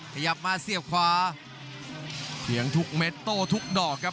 ขยับมาเสียบขวาเถียงทุกเม็ดโต้ทุกดอกครับ